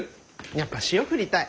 やっぱ塩振りたい。